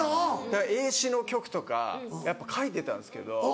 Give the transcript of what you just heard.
だから英詩の曲とかやっぱ書いてたんですけど